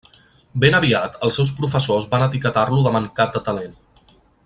Ben aviat els seus professors van etiquetar-lo de mancat de talent.